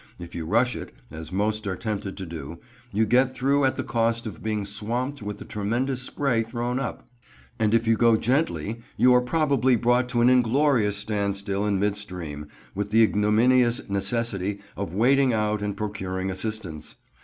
If you rush it, as most are tempted to do, you get through at the cost of being swamped with the tremendous spray thrown up; and if you go gently you are probably brought to an inglorious standstill in mid stream, with the ignominious necessity of wading out and procuring assistance.